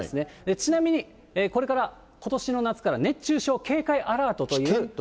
ちなみに、これからことしの夏から、熱中症警戒アラートという。